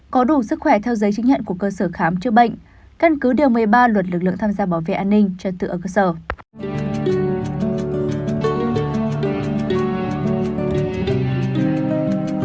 có đủ sức khỏe theo giấy chứng nhận của cơ sở khám chữa bệnh căn cứ điều một mươi ba luật lực lượng tham gia bảo vệ an ninh trật tự ở cơ sở